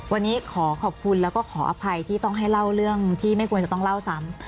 วันนี้ขอขอบคุณแล้วก็ขออภัยที่ต้องให้เล่าเรื่องที่ไม่ควรจะต้องเล่าซ้ำ